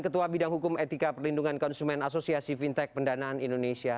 ketua bidang hukum etika perlindungan konsumen asosiasi fintech pendanaan indonesia